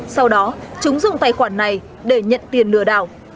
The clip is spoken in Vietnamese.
sau đó chúng dùng tài khoản này để nhận tiền lừa đảo